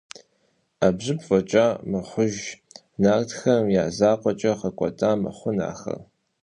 Ӏэбжьыб фӀэкӀа мыхъуж нартхэм я закъуэкӀэ гъэкӀуэда мыхъунт ахэр.